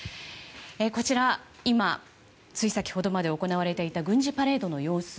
こちら、今つい先ほどまで行われていた軍事パレードの様子